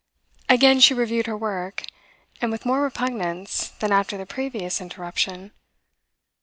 Again she reviewed her work, and with more repugnance than after the previous interruption.